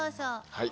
はい。